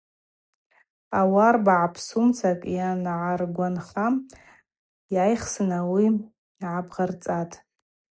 Ауарба гӏапссгӏумца йангӏаргванха сайхсын ауи гӏабгъасцӏатӏ.